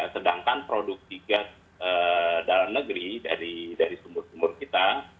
sedangkan produksi gas dalam negeri dari sumur sumur kita